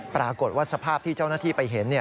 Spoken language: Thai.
ปรากฏว่าสภาพที่เจ้าหน้าที่ไปเห็น